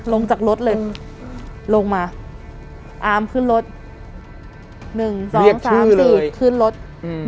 ลงจากรถเลยอืมลงมาอาร์มขึ้นรถหนึ่งสองสามสี่เรียกชื่อเลยขึ้นรถอืม